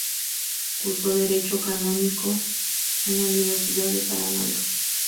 Cursó Derecho Canónico en la Universidad de Salamanca.